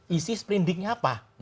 isi sprendiknya apa